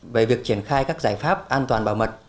về việc triển khai các giải pháp an toàn bảo mật